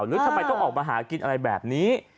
หรือทำไมต้องออกมาหากินอะไรแบบนี้